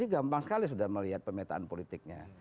ini gampang sekali sudah melihat pemetaan politiknya